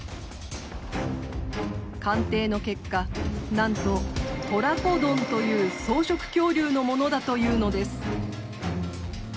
鑑定の結果なんとトラコドンという草食恐竜のものだというのです。